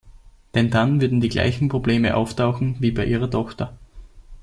Denn dann würden die gleichen Probleme auftauchen wie bei ihrer Tochter.